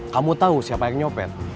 kamu tahu siapa yang nyopet